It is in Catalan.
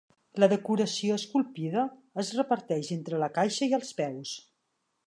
La decoració esculpida es reparteix entre la caixa i els peus.